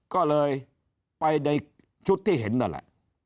ก็เลยไปในชุดที่เห็นนั่นแหละ